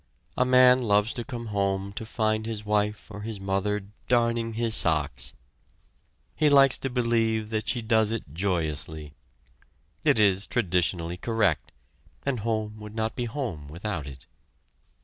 A man loves to come home and find his wife or his mother darning his socks. He likes to believe that she does it joyously. It is traditionally correct, and home would not be home without it.